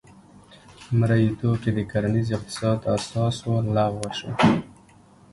مریتوب چې د کرنیز اقتصاد اساس و لغوه شو.